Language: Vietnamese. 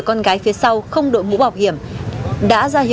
tôi lên next